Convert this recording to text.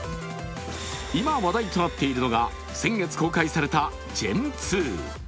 今話題となっているのが先月公開されたＧｅｎ−２。